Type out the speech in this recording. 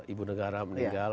ibu negara meninggal